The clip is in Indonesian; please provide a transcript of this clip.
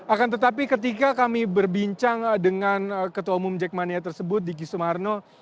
akan tetapi ketika kami berbincang dengan ketua umum jackmania tersebut diki sumarno